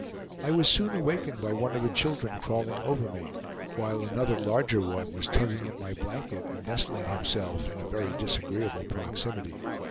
I was soon awakened by one of the children crawling over me, while another larger one was tugging at my blanket and nestling himself in a very disagreeable proximity.